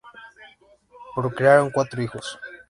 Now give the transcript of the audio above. Procrearon cuatro hijos.